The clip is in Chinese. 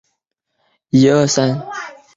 林德尔恩是德国下萨克森州的一个市镇。